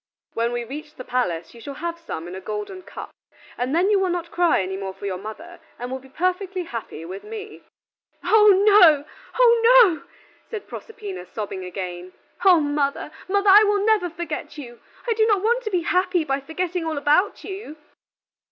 When we reach the palace, you shall have some in a golden cup, and then you will not cry any more for your mother, and will be perfectly happy with me." "Oh no, oh no!" said Proserpina, sobbing again. "O mother, mother, I will never forget you; I do not want to be happy by forgetting all about you."